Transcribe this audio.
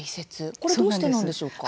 これどうしてなんでしょうか？